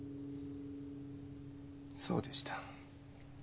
そうでした。